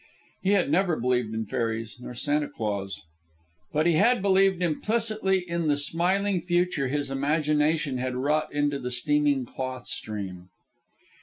He had never believed in fairies nor Santa Claus; but he had believed implicitly in the smiling future his imagination had wrought into the steaming cloth stream.